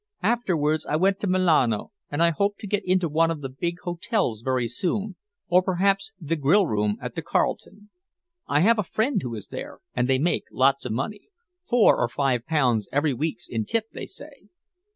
Afterwards I went to the Milano, and I hope to get into one of the big hotels very soon or perhaps the grill room at the Carlton. I have a friend who is there, and they make lots of money four or five pounds every week in tips, they say."